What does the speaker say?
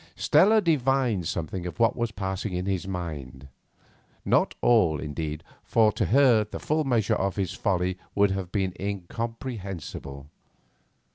Stella divined something of what was passing in his mind; not all, indeed, for to her the full measure of his folly would have been incomprehensible.